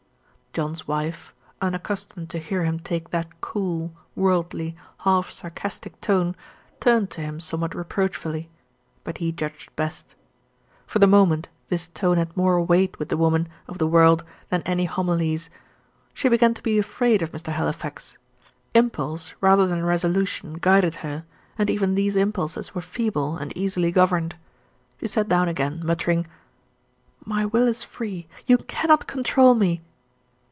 John's wife, unaccustomed to hear him take that cool, worldly, half sarcastic tone, turned to him somewhat reproachfully; but he judged best. For the moment, this tone had more weight with the woman of the world than any homilies. She began to be afraid of Mr. Halifax. Impulse, rather than resolution, guided her, and even these impulses were feeble and easily governed. She sat down again, muttering: "My will is free. You cannot control me."